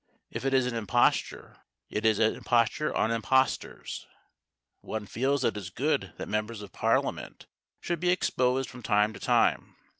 If it is an imposture, it is an imposture on impostors. One feels that it is good that members of Parliament should be exposed from time to time.